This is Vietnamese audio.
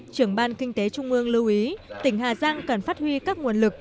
trưởng ban kinh tế trung ương lưu ý tỉnh hà giang cần phát huy các nguồn lực